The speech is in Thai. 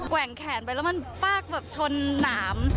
ว่งแขนไปแล้วมันปากแบบชนหนาม